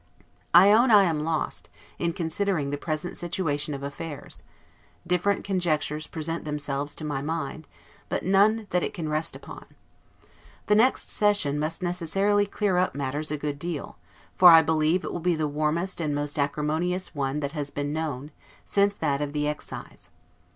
I own I am lost, in considering the present situation of affairs; different conjectures present themselves to my mind, but none that it can rest upon. The next session must necessarily clear up matters a good deal; for I believe it will be the warmest and most acrimonious one that has been known, since that of the Excise.